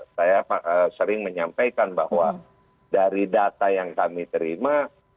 saya sering menyampaikan bahwa dari data yang kami terima